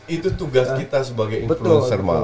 itu tugas kita sebagai influencermal